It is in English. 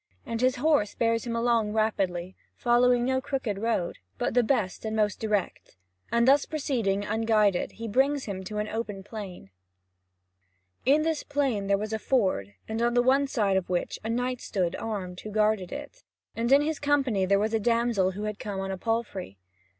And his horse bears him along rapidly, following no crooked road, but the best and the most direct; and thus proceeding unguided, he brings him into an open plain. In this plain there was a ford, on the other side of which a knight stood armed, who guarded it, and in his company there was a damsel who had come on a palfrey.